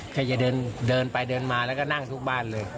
ใครจะเดินไปเดินมาแล้วก็นั่งทุกบ้านเลย